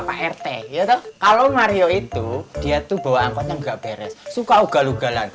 pak rt kalau mario itu dia tuh bawa angkotnya nggak beres suka ugal ugalan